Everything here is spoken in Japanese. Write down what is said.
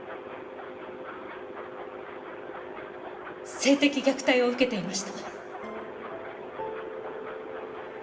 性的虐待を受けていました。